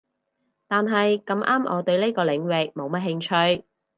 但係咁啱我對呢個領域冇乜興趣